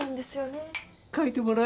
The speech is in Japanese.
かいてもらえ。